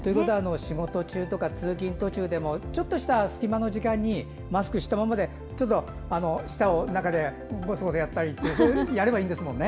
仕事中や通勤途中でもちょっとした隙間の時間にマスクしたままで舌を中でごそごそやったりとかやればいいんですもんね。